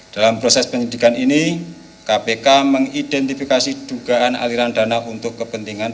dalam proses penyidikan ini kpk mengidentifikasi dugaan aliran dana untuk kepentingan